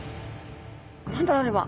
何だあれは。